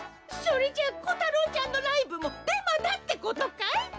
それじゃコタロウちゃんのライブもデマだってことかい？